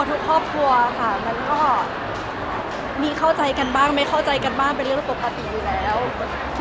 ทุกครอบครัวค่ะมันก็มีเข้าใจกันบ้างไม่เข้าใจกันบ้างเป็นเรื่องปกติอยู่แล้ว